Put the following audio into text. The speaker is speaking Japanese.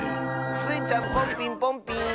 スイちゃんポンピンポンピーン！